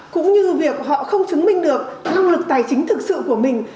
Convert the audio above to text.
cũng như việc họ không chứng minh được năng lực tài chính thực sự của mình